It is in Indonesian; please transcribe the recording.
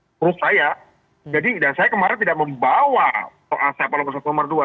menurut saya jadi saya kemarin tidak membawa soal siapa nomor satu nomor dua